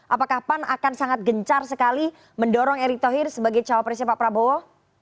apakah pan akan sangat gencar sekali mendorong erick thohir sebagai cawapresnya pak prabowo